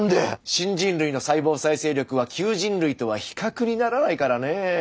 新人類の細胞再生力は旧人類とは比較にならないからねぇ。